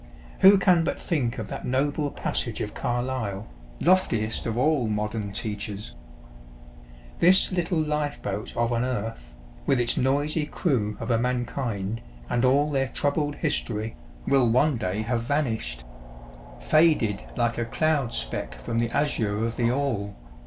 Who can but think of that noble passage of Carlyle, loftiest of all modern teachers: ŌĆö "This little life boat of an Earth, with its noisy crew of a Mankind, and all their troubled History, will one day have vanished ; faded like a cloud speck from the azure of the All